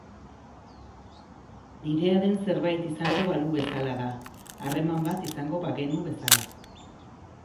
Nirea den zerbait izango balu bezala da, harreman bat izango bagenu bezala.